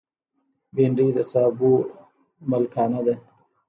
بېنډۍ د سابو ملکانه ده